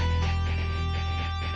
aku mau ke rumah